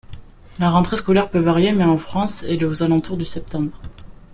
La rentrée scolaire peut varier, mais, en France, elle est aux alentours du septembre.